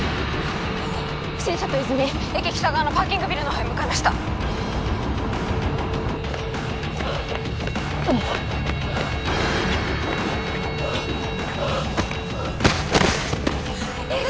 不審者と泉駅北側のパーキングビルの方へ向かいましたハアハアああっ泉！